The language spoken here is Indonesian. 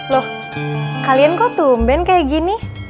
loh kalian kok tumben kayak gini